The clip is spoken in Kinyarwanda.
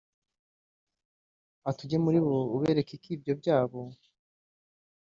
Ati “Ujye muri bo ubereke ko ibyo byabo